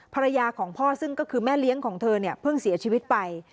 ภรรยาของพ่อซึ่งก็คือแม่เลี้ยงของเธอเนี่ยเพิ่งเสียชีวิตไป